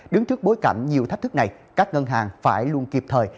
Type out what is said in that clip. đứng trước bối cảnh nhiều thách thức này các ngân hàng phải luôn kịp thời